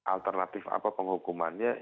alternatif apa penghukumannya